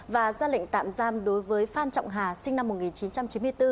và ra lệnh tạm giam đối với phan trọng hà sinh năm một nghìn chín trăm chín mươi bốn